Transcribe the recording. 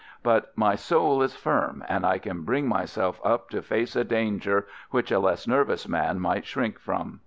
But my soul is firm, and I can bring myself up to face a danger which a less nervous man might shrink from.